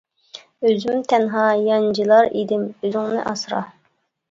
ئۆزۈم تەنھا يانجىلار ئىدىم ئۆزۈڭنى ئاسرا.